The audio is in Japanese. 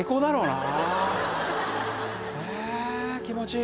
ああ気持ちいい。